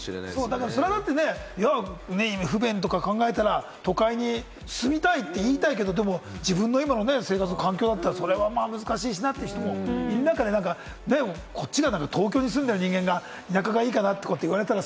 不便とか考えたら、都会に住みたいって言いたいけれども、自分の今の環境だったら、それは難しいしなという人も、こっちが東京に住んでる人間が田舎がいいかなって言われたら、